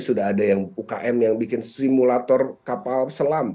sudah ada yang ukm yang bikin simulator kapal selam